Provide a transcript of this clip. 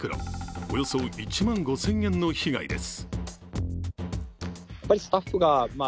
およそ１万５０００円の被害です。